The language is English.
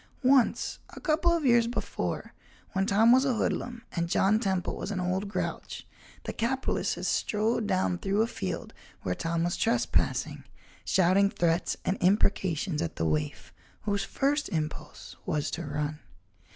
Once, a couple of years before, when Tom was a hoodlum and John Temple was an old grouch, the capitalist had strode down through a field where Tom was trespassing, shouting threats and imprecations at the waif, whose first impulse was to run.